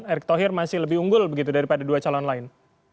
erick thohir masih lebih unggul begitu daripada dua calon lain